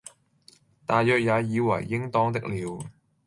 大約也以爲應當的了。